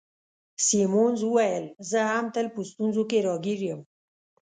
سیمونز وویل: زه هم تل په ستونزو کي راګیر یم.